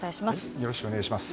よろしくお願いします。